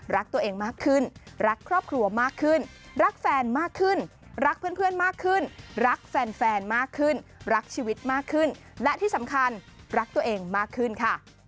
รักตัวเองมากขึ้นรักครอบครัวมากขึ้นรักแฟนมากขึ้นรักเพื่อนมากขึ้นรักแฟนมากขึ้นรักชีวิตมากขึ้นและที่สำคัญรักตัวเองมากขึ้นค่ะ